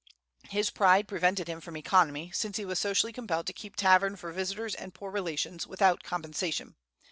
His pride prevented him from economy, since he was socially compelled to keep tavern for visitors and poor relations, without compensation.